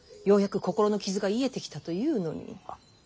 ようやく心の傷が癒えてきたというのに。